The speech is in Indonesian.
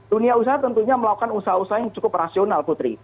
dunia usaha tentunya melakukan usaha usaha yang cukup rasional putri